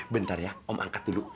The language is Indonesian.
bentar ya om angkat dulu